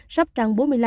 sóc trăng bốn mươi năm